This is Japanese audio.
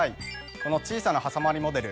この小さなはさまりモデル